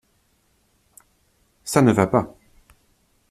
Ça ne va pas.